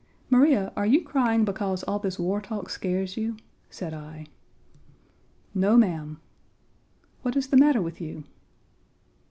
"Maria, are you crying because all this war talk scares you?" said I. "No, ma'am." "What is the matter with you?"